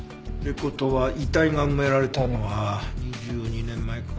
って事は遺体が埋められたのは２２年前から１８年前か。